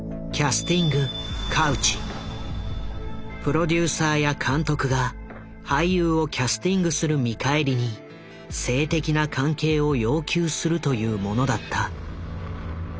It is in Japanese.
プロデューサーや監督が俳優をキャスティングする見返りに性的な関係を要求するというものだった。